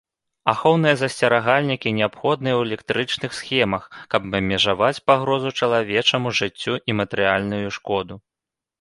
Ахоўныя засцерагальнікі неабходныя ў электрычных схемах, каб абмежаваць пагрозу чалавечаму жыццю і матэрыяльную шкоду.